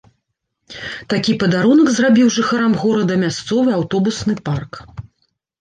Такі падарунак зрабіў жыхарам горада мясцовы аўтобусны парк.